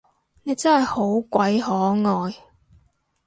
你真係好鬼可愛